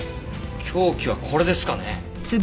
凶器はこれですかね？